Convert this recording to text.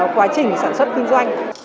quá trình sản xuất kinh doanh